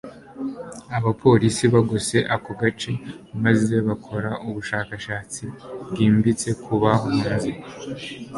Abapolisi bagose ako gace maze bakora ubushakashatsi bwimbitse ku bahunze